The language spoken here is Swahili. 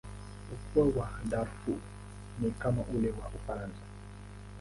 Ukubwa wa Darfur ni kama ule wa Ufaransa.